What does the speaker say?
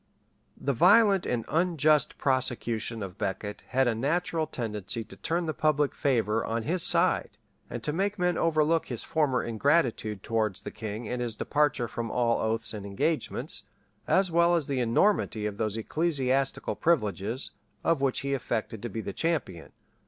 ] The violent and unjust prosecution of Becket had a natural tendency to turn the public favor on his side, and to make men overlook his former ingratitude towards the king and his departure from all oaths and engagements, as well as the enormity of those ecclesiastical privileges, of which he affected to be the champion.